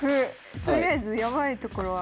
とりあえずヤバいところは。